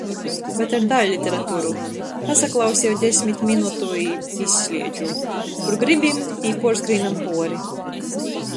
Bet ar daiļliteraturu — pasaklauseju desmit minutu i izsliedžu. Kur gribim, tī puorskrīnam puori.